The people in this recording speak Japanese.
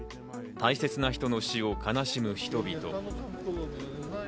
大切な人の死を悲しむ人々。